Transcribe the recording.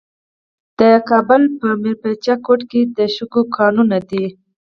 د کابل په میربچه کوټ کې د شګو کانونه دي.